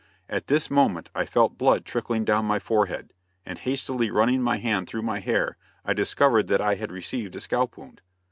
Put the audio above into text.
At this moment I felt blood trickling down my forehead, and hastily running my hand through my hair I discovered that I had received a scalp wound.